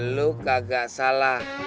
lo kagak salah